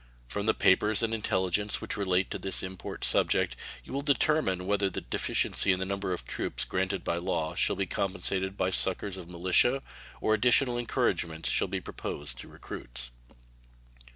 From the papers and intelligence which relate to this important subject you will determine whether the deficiency in the number of troops granted by law shall be compensated by succors of militia, or additional encouragements shall be proposed to recruits.